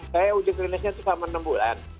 saya uji klinisnya itu selama enam bulan